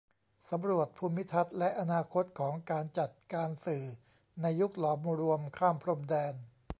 สำรวจภูมิทัศน์และอนาคตของการจัดการสื่อในยุคหลอมรวมข้ามพรมแดน